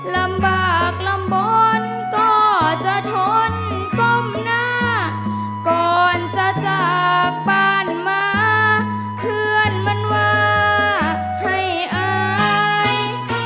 ลำบากลำบลก็จะทนก้มหน้าก่อนจะจากบ้านมาเพื่อนมันว่าให้อาย